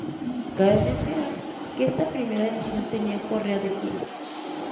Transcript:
Cabe mencionar que esta primera edición tenía correa de piel.